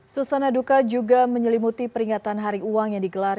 susana duka juga menyelimuti peringatan hari uang yang digelar